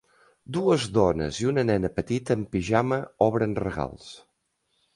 Dues dones i una nena petita en pijama obren regals